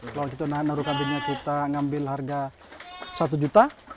kalau kita naruh kambingnya kita ngambil harga rp satu